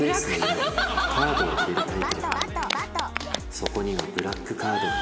そこにはブラックカードが。